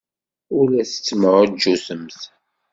Ur la tettemɛujjutemt.